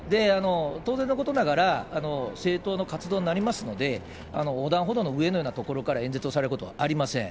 当然のことながら、政党の活動になりますので、横断歩道の上のような場所から演説をされることはありません。